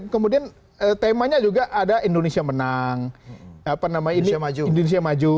kemudian temanya juga ada indonesia menang indonesia maju